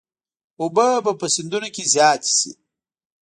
اوبه به په سیندونو کې زیاتې شي.